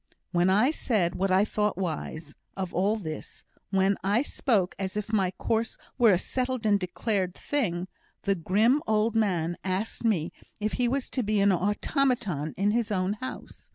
when I said what I thought wise, of all this when I spoke as if my course were a settled and decided thing, the grim old man asked me if he was to be an automaton in his own house.